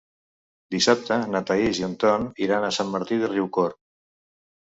Dissabte na Thaís i en Ton iran a Sant Martí de Riucorb.